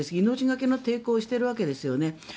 命懸けの抵抗をしているわけですよね。